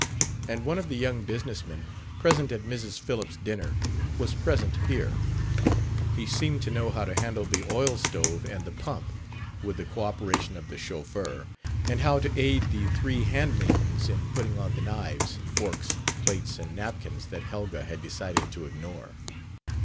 And one of the young business men present at Mrs. Phillips' dinner was present here; he seemed to know how to handle the oil stove and the pump (with the cooperation of the chauffeur), and how to aid the three handmaidens in putting on the knives, forks, plates and napkins that Helga had decided to ignore.